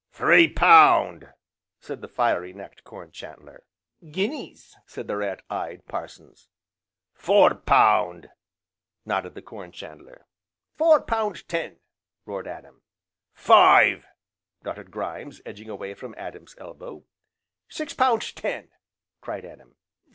"Three pound!" said the fiery necked Corn chandler. "Guineas!" said the rat eyed Parsons. "Four pound!" nodded the Corn chandler. "Four pound ten!" roared Adam. "Five!" nodded Grimes, edging away from Adam's elbow. "Six pound ten!" cried Adam.